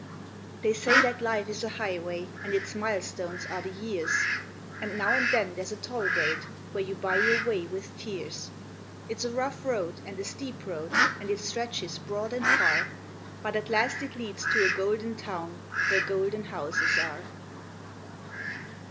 They say that life is a highway and its milestones are the years, And now and then there's a toll gate where you buy your way with tears. It's a rough road and a steep road and it stretches broad and far, But at last it leads to a golden Town where golden Houses are.